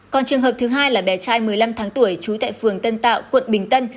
còn trường hợp thứ hai là bé trai một mươi năm tháng tuổi trú tại phường tân tạo quận bình tân